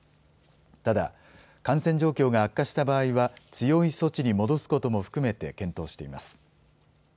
ただ、感染状況が悪化した場合は、強い措置に戻すことも含めて検討しています。